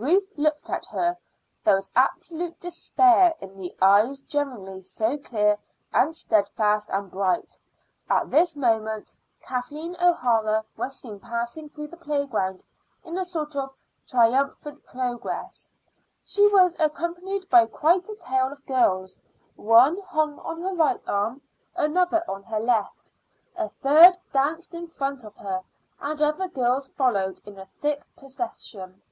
Ruth looked at her. There was absolute despair in the eyes generally so clear and steadfast and bright. At this moment Kathleen O'Hara was seen passing through the playground in a sort of triumphal progress. She was accompanied by quite a tail of girls: one hung on her right arm, another on her left; a third danced in front of her; and other girls followed in a thick procession.